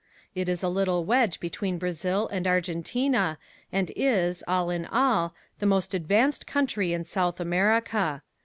It is a little wedge between Brazil and Argentina and is, all in all, the most advanced country in South America.